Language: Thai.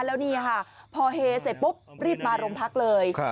แล้วนี่ค่ะพอเฮเสร็จปุ๊บรีบมาโรงพักเลย